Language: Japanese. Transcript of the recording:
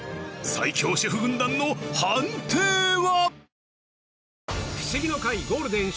最強シェフ軍団の判定は！？